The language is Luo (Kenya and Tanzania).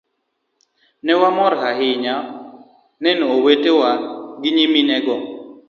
Ne wamor ahinya neno owete gi nyiminego.